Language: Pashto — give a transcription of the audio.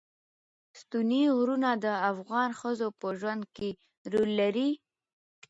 ستوني غرونه د افغان ښځو په ژوند کې رول لري.